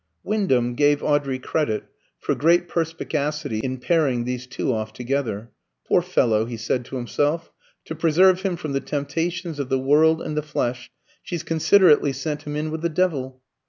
Wyndham gave Audrey credit for great perspicacity in pairing these two off together. "Poor fellow," he said to himself; "to preserve him from the temptations of the world and the flesh, she's considerately sent him in with the devil."